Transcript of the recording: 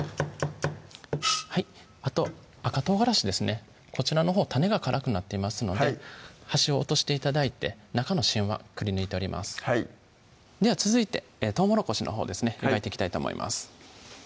あと赤唐辛子ですねこちらのほう種が辛くなっていますので端を落として頂いて中の芯はくり抜いておりますでは続いてとうもろこしのほうですね湯がいていきたいと思います